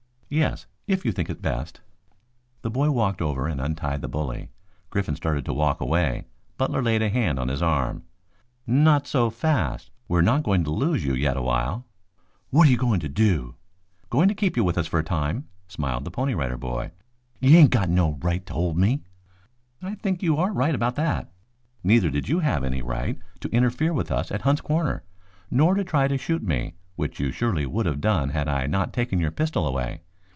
"Yes, if you think best." The boy walked over and untied the bully. Griffin started to walk away. Butler laid a hand on his arm. "Not so fast. We are not going to lose you yet awhile." "What are you goin' t' do?" "Going to keep you with us for a time," smiled the Pony Rider Boy. "You ain't got no right t' hold me." "I think you are right about that. Neither did you have any right to interfere with us at Hunt's Corners, nor to try to shoot me, which you surely would have done had I not taken your pistol away.